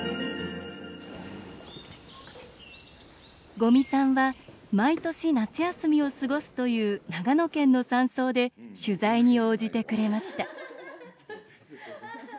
五味さんは毎年、夏休みを過ごすという長野県の山荘で取材に応じてくれました。